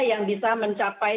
yang bisa mencapai